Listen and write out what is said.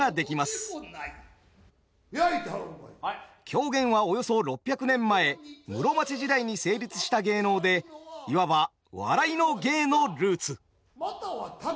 狂言はおよそ６００年前室町時代に成立した芸能でいわば「笑いの芸」のルーツ。